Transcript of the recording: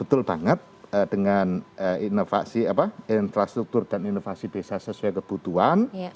betul banget dengan inovasi infrastruktur dan inovasi desa sesuai kebutuhan